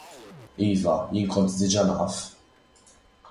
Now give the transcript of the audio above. Iva, jien kont diġà naf.